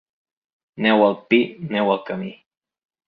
Neu al pi, neu al camí.